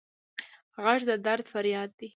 غږ د درد فریاد دی